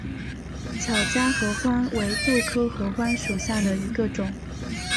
巧家合欢为豆科合欢属下的一个种。